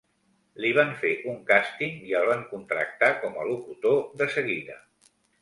Li van fer un càsting i el van contractar com a locutor de seguida.